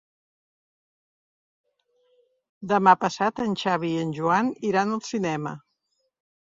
Demà passat en Xavi i en Joan iran al cinema.